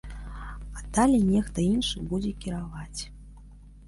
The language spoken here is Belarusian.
А далей нехта іншы будзе кіраваць.